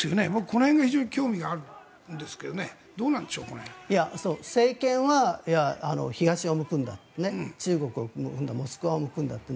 この辺が非常に興味があるんですが政権は東を向くんだと中国を、モスクワを向くんだと。